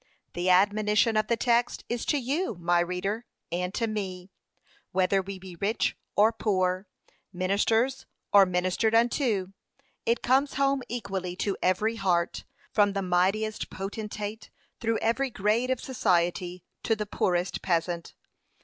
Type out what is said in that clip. The admonition of the text is to you, my reader, and to me; whether we be rich or poor, ministers or ministered unto, it comes home equally to every heart, from the mightiest potentate through every grade of society to the poorest peasant.